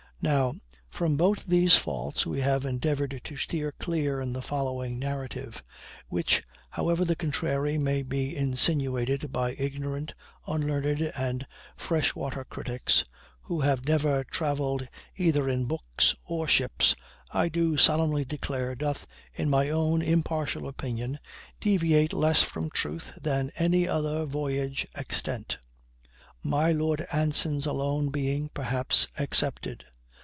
Now, from both these faults we have endeavored to steer clear in the following narrative; which, however the contrary may be insinuated by ignorant, unlearned, and fresh water critics, who have never traveled either in books or ships, I do solemnly declare doth, in my own impartial opinion, deviate less from truth than any other voyage extant; my lord Anson's alone being, perhaps, excepted.